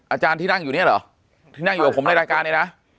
อาจารย์ที่นั่งอยู่เนี่ยเหรอที่นั่งอยู่กับผมในรายการเนี่ยนะ